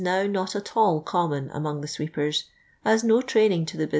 iwnot atali cDinmon among the sweepers, as ni tniiuin^' to the bn.